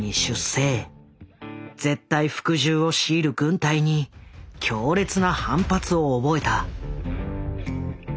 絶対服従を強いる軍隊に強烈な反発を覚えた。